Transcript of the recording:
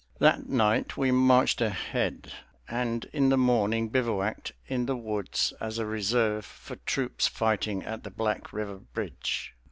That night we marched ahead, and in the morning bivouacked in the woods as a reserve for troops fighting at the Black River bridge.